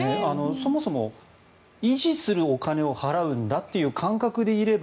そもそも維持するお金を払うんだという感覚でいれば